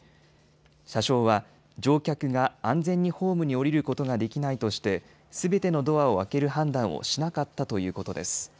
車掌は乗客が安全にホームに下りることができないとしてすべてのドアを開ける判断をしなかったということです。